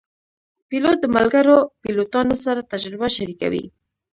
پیلوټ د ملګرو پیلوټانو سره تجربه شریکوي.